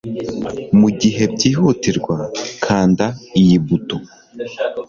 Mugihe byihutirwa, kanda iyi buto.